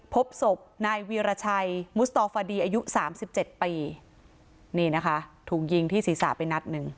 พบศพนายวีรชัยมุษตรฟดีอายุ๓๗ปีนี่นะคะถูกยิงที่ศีรษะไปนัดหนึ่ง